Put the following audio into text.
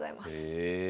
へえ。